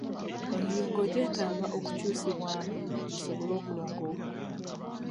Emiyungo gyetaaga okukyusibwamu gisobole okulongooka.